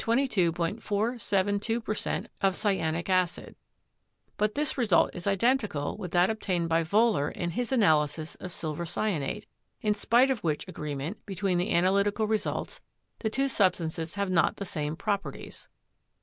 472% of cyanic acid; but this result is identical with that obtained by Wohler in his analysis of silver cyanate, in spite of which agreement between the analytical results the two substances have not the same properties.